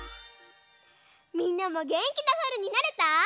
みんなもげんきなさるになれた？